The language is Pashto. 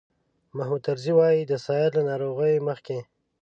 محمود طرزي وایي د سید له ناروغۍ مخکې.